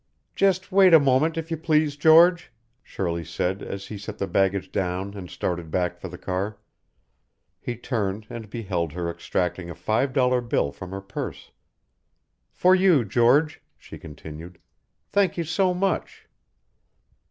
"Just wait a moment, if you please, George," Shirley said as he set the baggage down and started back for the car. He turned and beheld her extracting a five dollar bill from her purse. "For you, George," she continued. "Thank you so much."